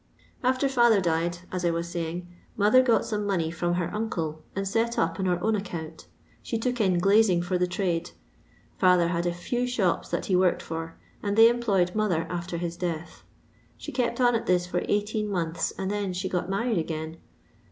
After fisther died, as I was saying, mother got some money from her uncle and set up on her own account ; she took in glazing for the trade. Father had a few shops that he worked for, and they employed mother after his death. She kept on at this for eighteen months and then she got married again.